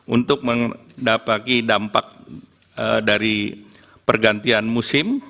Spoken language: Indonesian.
untuk mendapati dampak dari pergantian musim